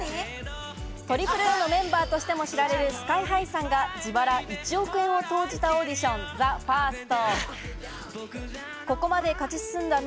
ＡＡＡのメンバーとしても知られるＳＫＹ−ＨＩさんが自腹１億円を投じたオーディション、ＴＨＥＦＩＲＳＴ。